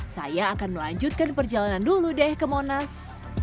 saya akan melanjutkan perjalanan dulu deh ke monas